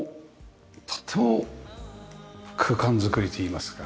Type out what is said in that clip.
とっても空間づくりといいますか。